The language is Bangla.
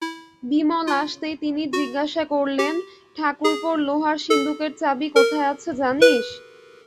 বিমল আসতেই তিনি জিজ্ঞাসা করলেন, ঠাকুরপোর লোহার সিন্দুকের চাবি কোথায় আছে জানিস?